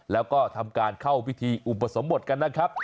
แล้วก็ทำการเข้าพิธีอุปสมบทกันนะครับ